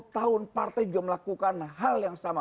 tiga puluh tahun partai juga melakukan hal yang sama